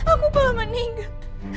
aku belum meninggal